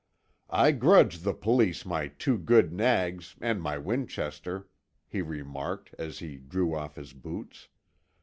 "I grudge the Police my two good nags, and my Winchester," he remarked, as he drew off his boots.